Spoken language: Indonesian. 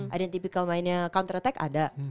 ada yang tipikal mainnya counter attack ada